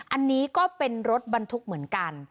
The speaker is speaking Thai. อันนี้ก็เป็นรถบรรทุกเหมือนกัน